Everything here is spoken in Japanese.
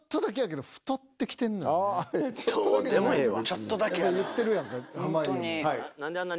どうでもええわ。